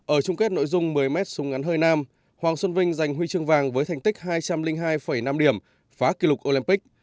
ở chung kết nội dung một mươi mét súng ngắn hơi nam hoàng xuân vinh giành huy chương vàng với thành tích hai trăm linh hai năm điểm phá kỷ lục olympic